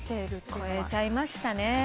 肥えちゃいましたね。